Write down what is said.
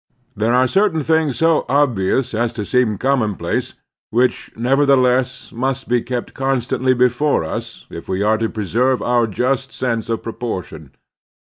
There are certain things so obvious as to seem commonplace, which, nevertheless, must be kept constantly before us if we are to preserve our just sense of proportion.